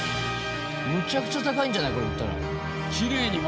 むちゃくちゃ高いんじゃない？